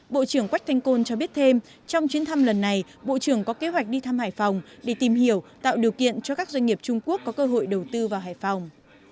bộ trưởng quách thanh côn cho biết thêm trong chuyến thăm lần này bộ trưởng có kế hoạch đi thăm hải phòng để tìm hiểu tạo điều kiện cho các doanh nghiệp trung quốc có cơ hội đầu tư vào hải phòng